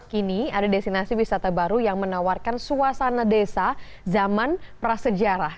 kini ada destinasi wisata baru yang menawarkan suasana desa zaman prasejarah